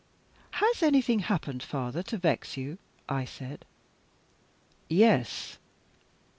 "Has anything happened, father, to vex you?" I said. "Yes."